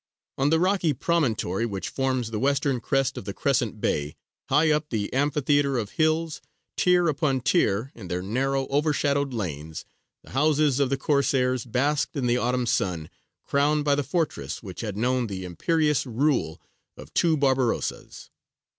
On the rocky promontory which forms the western crest of the crescent bay, high up the amphitheatre of hills, tier upon tier, in their narrow overshadowed lanes, the houses of the Corsairs basked in the autumn sun, crowned by the fortress which had known the imperious rule of two Barbarossas.